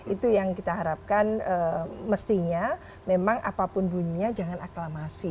itu yang kita harapkan mestinya memang apapun bunyinya jangan aklamasi